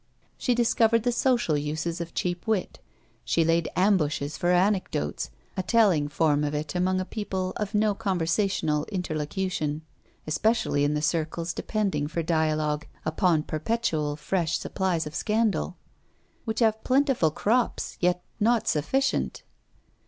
She discovered the social uses of cheap wit; she laid ambushes for anecdotes, a telling form of it among a people of no conversational interlocution, especially in the circles depending for dialogue upon perpetual fresh supplies of scandal; which have plentiful crops, yet not sufficient.